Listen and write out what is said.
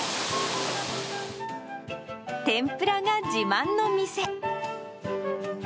天ぷらが自慢の店。